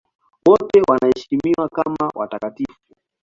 Wote wanaheshimiwa kama watakatifu.